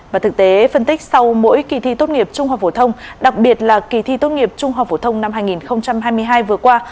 và thực tế phân tích sau mỗi kỳ thi tốt nghiệp trung học phổ thông đặc biệt là kỳ thi tốt nghiệp trung học phổ thông năm hai nghìn hai mươi hai vừa qua